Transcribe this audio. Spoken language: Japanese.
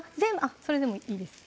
それでもいいです